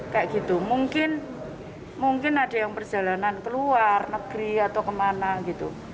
kayak gitu mungkin mungkin ada yang perjalanan ke luar negeri atau kemana gitu